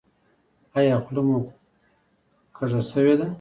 ایا خوله مو کوږه شوې ده؟